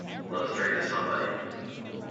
Let us drink to somebody.